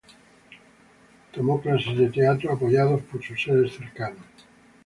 Tomó clases de teatro apoyado por sus seres cercanos.